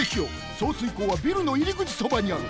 送水口はビルのいりぐちそばにある。